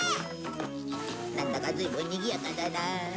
なんだかずいぶんにぎやかだな。